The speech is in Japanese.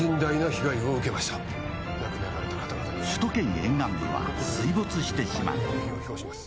首都圏沿岸部は水没してしまう。